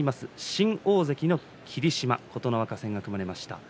新大関の霧島は琴ノ若戦が組まれました。